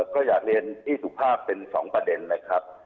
ก็อยากเรียนพี่สุภาพเป็น๒ประเด็นนะครับ